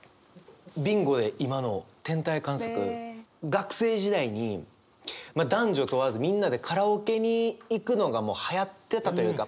学生時代に男女問わずみんなでカラオケに行くのがはやってたというか。